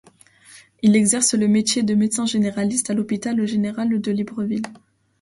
Il exerce le métier de médecin généraliste à l'hôpital général de Libreville.